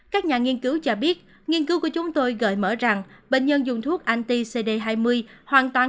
các nhà nghiên cứu cho biết nghiên cứu của chúng tôi gợi mở rằng bệnh nhân dùng thuốc ant cd hai mươi hoàn toàn